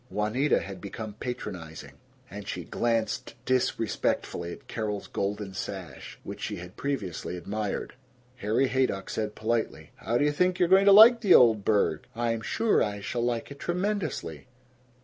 Juanita had become patronizing, and she glanced disrespectfully at Carol's golden sash, which she had previously admired. Harry Haydock said politely, "How do you think you're going to like the old burg?" "I'm sure I shall like it tremendously."